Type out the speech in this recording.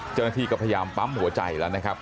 เจ้าหน้าที่ก็พยายามปั๊มหัวใจแล้วนะครับ